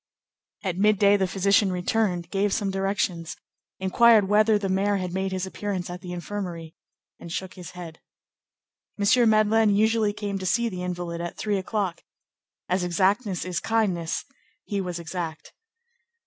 At midday the physician returned, gave some directions, inquired whether the mayor had made his appearance at the infirmary, and shook his head. M. Madeleine usually came to see the invalid at three o'clock. As exactness is kindness, he was exact.